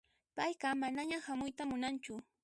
Payqa manaña hamuyta munanchu.